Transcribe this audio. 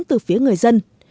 từ phía người dân